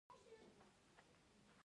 ستوني غرونه د افغانستان د سیلګرۍ برخه ده.